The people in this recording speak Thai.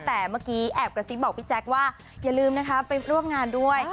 แต่เมื่อกี้แอบกระซิบบอกพี่แจ๊คว่าอย่าลืมนะคะไปร่วมงานด้วย